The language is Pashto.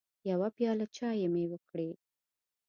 يوه پياله چايي مې وکړې